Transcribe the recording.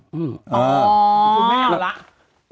คุณแม่เอาแล้ว